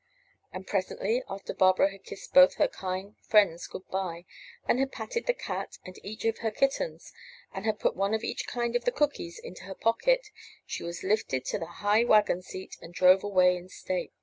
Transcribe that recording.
And presently, after Barbara had kissed both her kind friends good by, and had patted the cat and each of her kittens, and had put one of each kind of the cookies into her pocket, she was lifted to the high wagon seat and drove away in state.